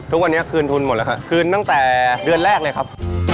ทุกวันนี้คืนทุนหมดแล้วครับคืนตั้งแต่เดือนแรกเลยครับ